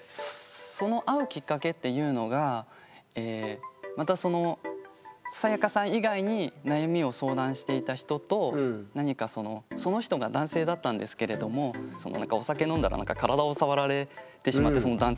その会うきっかけっていうのがまたそのサヤカさん以外に悩みを相談していた人とその人が男性だったんですけれどもお酒飲んだら体を触られてしまってその男性に。